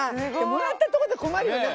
もらったところで困るよね